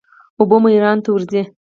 اوبه مو ایران ته ورځي.